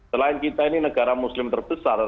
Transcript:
selain kita ini negara muslim terbesar